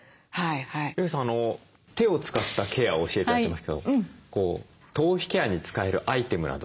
余慶さん手を使ったケアを教えて頂いたんですけど頭皮ケアに使えるアイテムなどは何かありますか？